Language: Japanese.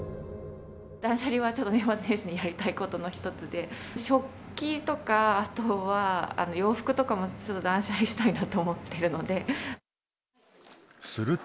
断捨離はちょっと年末年始にやりたいことの一つで、食器とか、あとは洋服とかもちょっと断捨離したいなと思ってるので。